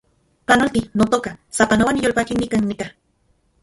Panolti, notoka , sapanoa niyolpaki nikan nika